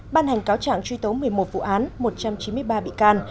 ban hành cáo trạng truy tố một mươi một vụ án một trăm chín mươi ba bị can